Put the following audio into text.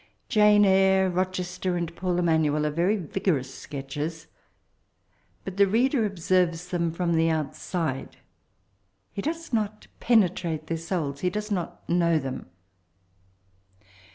Jane Eyre, Rochester, and Paul Em manuel, are very vigorous sketches, but the reader observes them from the ouUidc^ he does not penetrate their souls, he does not know them.